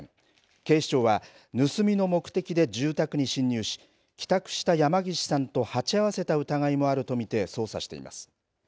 警視庁は盗みの目的で住宅に侵入し帰宅した山岸さんと鉢合わせた疑いもあると見て捜査しています。